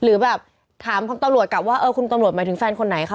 หรือแบบถามตำรวจกลับว่าเออคุณตำรวจหมายถึงแฟนคนไหนคะ